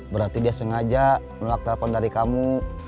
berarti dia sengaja menolak telepon dari kamu